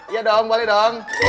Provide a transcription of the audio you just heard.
iya dong boleh dong